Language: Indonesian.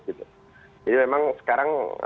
jadi memang sekarang